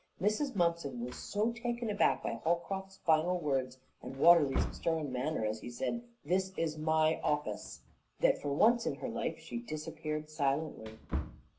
Mrs. Mumpson was so taken aback by Holcroft's final words and Watterly's stern manner as he said, "This is my office," that for once in her life she disappeared silently.